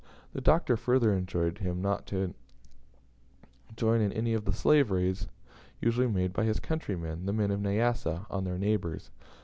The Doctor further enjoined him not to join in any of the slave raids usually made by his countrymen, the men of Nyassa, on their neighbours.